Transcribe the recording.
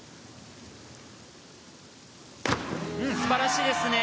素晴らしいですね。